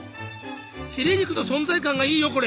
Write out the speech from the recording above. ヒレ肉の存在感がいいよこれ！